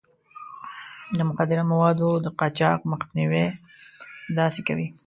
د مخدره موادو د قاچاق مخنيوی داسې کوي.